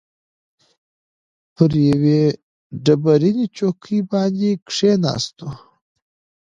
پر یوې ډبرینې چوکۍ باندې کښېناستو.